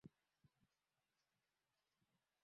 Kinyume chake upande wa kusini mpakani mwa